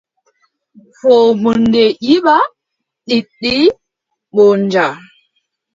Foomoonde yibba, liɗɗi mbooja.